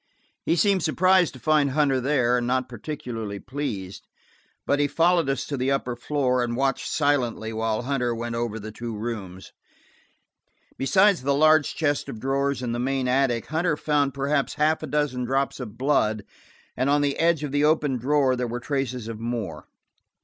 He seemed surprised to find Hunter there, and not particularly pleased, but he followed us to the upper floor and watched silently while Hunter went over the two rooms. Beside the large chest of drawers in the main attic Hunter found perhaps half a dozen drops of blood, and on the edge of the open drawer there were traces of more.